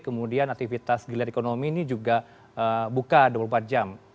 kemudian aktivitas gilir ekonomi ini juga buka dua puluh empat jam